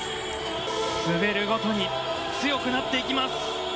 滑るごとに強くなっていきます。